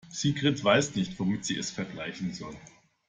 Sigrid weiß nicht, womit sie es vergleichen soll.